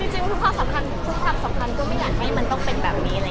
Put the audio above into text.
จริงคุณพรรดิสำคัญก็ไม่อยากให้มันต้องเป็นแบบนี้